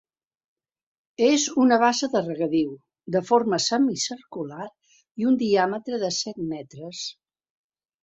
És una bassa de regadiu, de forma semicircular i un diàmetre de set metres.